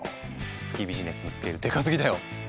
月ビジネスのスケールでかすぎだよ！